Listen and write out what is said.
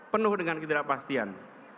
penuh dengan ketidakpastian